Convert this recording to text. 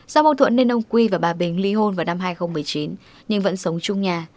do bầu thuận nên ông h v q và bà bình lý hôn vào năm hai nghìn một mươi chín nhưng vẫn sống chung nhà